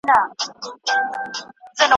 زه به د غم تخم کرم ژوندی به یمه